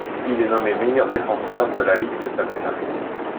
Il est nommé meilleur défenseur de la ligue cette année-là.